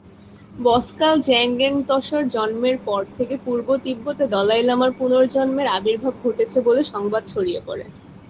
ব্স্কাল-ব্জাং-র্গ্যা-ম্ত্শোর জন্মের পর থেকে পূর্ব তিব্বতে দলাই লামার পুনর্জন্মের আবির্ভাব ঘটেছে বলে সংবাদ ছড়িয়ে পড়ে।